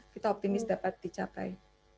kita optimis dapat dicapai